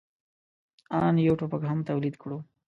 آن یو ټوپک هم تولید کړو.